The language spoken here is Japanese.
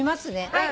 はい。